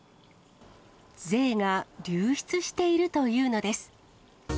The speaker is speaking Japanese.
税が流出しているというのです。